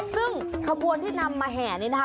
ซึ่งขบวนที่นำมาแห่นี้นะคะ